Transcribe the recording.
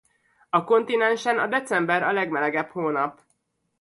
A kontinensen a december a legmelegebb hónap.